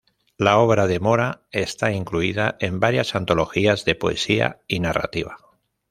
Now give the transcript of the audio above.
La obra de Mora está incluida en varias antologías de poesía y narrativa.